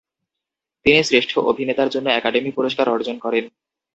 তিনি শ্রেষ্ঠ অভিনেতার জন্য একাডেমি পুরস্কার অর্জন করেন।